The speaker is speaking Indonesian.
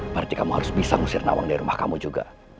berarti kamu harus bisa ngusir nawang dari rumah kamu juga